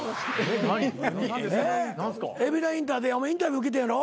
海老名インターでインタビュー受けたんやろ？